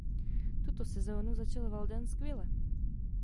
Tuto sezónu začal Walden skvěle.